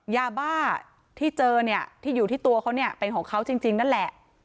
ยาบ้าที่เจอเนี่ยที่อยู่ที่ตัวเขาเนี่ยเป็นของเขาจริงนั่นแหละ